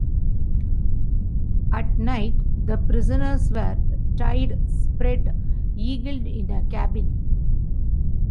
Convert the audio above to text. At night, the prisoners were tied spread-eagled in a cabin.